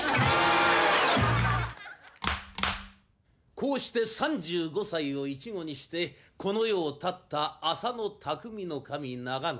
こうして３５歳を一期にしてこの世をたった浅野内匠頭長矩。